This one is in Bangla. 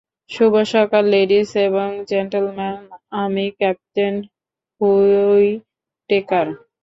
শুভ সকাল, লেডিস এবং জেন্টলম্যান, আমি ক্যাপ্টেন হুইটেকার।